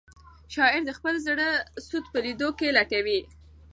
شاعر د خپل زړه سود په لیدو کې لټوي.